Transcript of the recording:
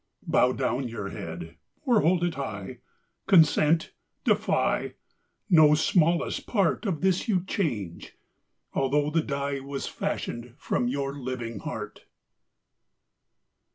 Bow down your head, or hold it high, Consent, defy no smallest part Of this you change, although the die Was fashioned from your living heart.